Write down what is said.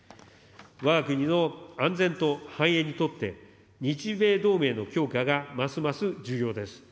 わが国の安全と繁栄にとって、日米同盟の強化がますます重要です。